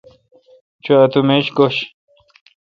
چو اتو میش گوش۔